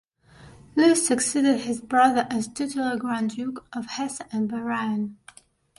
Louis succeeded his brother as titular Grand Duke of Hesse and by Rhine.